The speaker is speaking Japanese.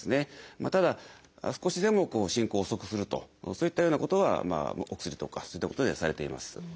ただ少しでも進行を遅くするとそういったようなことはお薬とかそういったことではされています。